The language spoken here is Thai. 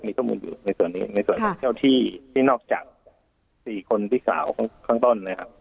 มีข้อมูลอยู่ในส่วนนี้ในส่วนของเจ้าที่ที่นอกจาก๔คนพี่สาวข้างต้นนะครับ